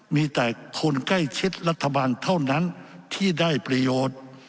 มีแต่คนใกล้ชิดรัฐบาลเท่านั้นที่ได้ประโยชน์